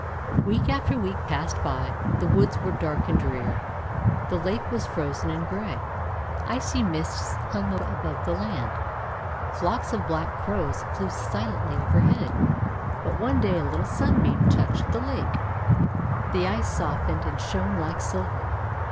Week after week passed by. The woods were dark and drear. The lake was frozen and grey. Icy mists hung above the land. Flocks of black Crows flew silently overhead. But one day a little Sunbeam touched the lake. The Ice soft ened and shone like silver.